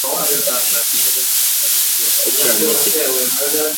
তাঁর নাতনী হলেন সাংবাদিক কেট জার্নিকে।